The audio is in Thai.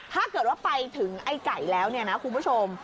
ถ้าเกิดว่าไปถึงไอ้ไก่แล้วเนี่ยนะคุณผู้ชม